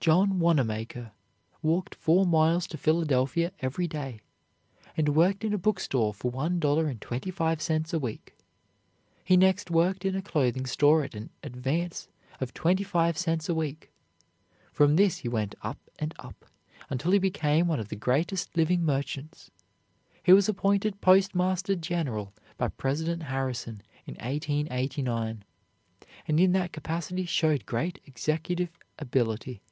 John Wanamaker walked four miles to Philadelphia every day, and worked in a bookstore for one dollar and twenty five cents a week. He next worked in a clothing store at an advance of twenty five cents a week. From this he went up and up until he became one of the greatest living merchants. He was appointed Postmaster General by President Harrison in 1889, and in that capacity showed great executive ability.